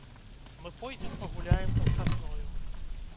Мы пойдзем пагуляем пад сасною.